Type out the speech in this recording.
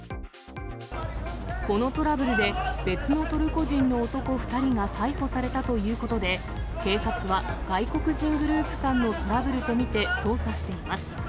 このトラブルで、別のトルコ人の男２人が逮捕されたということで、警察は外国人グループ間のトラブルと見て捜査しています。